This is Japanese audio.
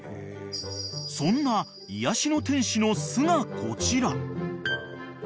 ［そんな癒やしの天使の巣がこちら］